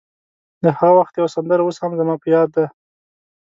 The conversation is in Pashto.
د هغه وخت یوه سندره اوس هم زما په یاد ده.